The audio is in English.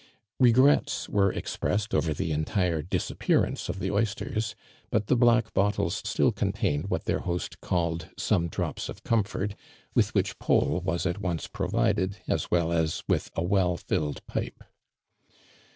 Hegrets were expressed over the entire disappearance of the oystei s, but the black bottles still contained what their host called " some drops of comfort," with which Paul was at once provided, as well as with a well filled pipe.